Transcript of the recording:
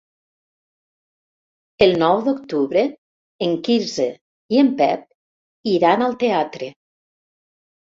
El nou d'octubre en Quirze i en Pep iran al teatre.